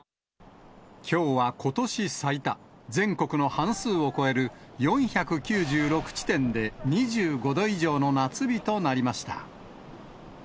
きょうはことし最多、全国の半数を超える４９６地点で２５度以上の夏日となりました。